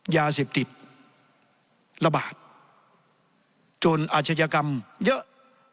ยาเสพติดระบาดจนอาชญากรรมเยอะ